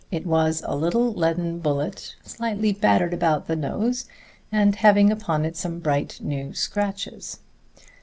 It was a little leaden bullet, slightly battered about the nose, and having upon it some bright new scratches.